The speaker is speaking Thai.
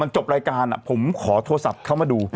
ช่าขอเท้าทรัพย์เข้ามาดู